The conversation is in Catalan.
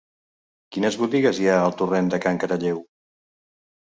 Quines botigues hi ha al torrent de Can Caralleu?